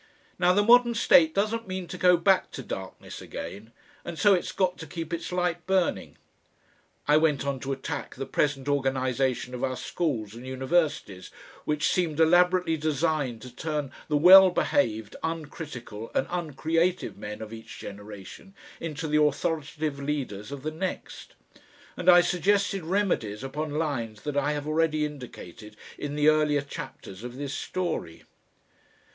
Now the modern state doesn't mean to go back to darkness again and so it's got to keep its light burning." I went on to attack the present organisation of our schools and universities, which seemed elaborately designed to turn the well behaved, uncritical, and uncreative men of each generation into the authoritative leaders of the next, and I suggested remedies upon lines that I have already indicated in the earlier chapters of this story....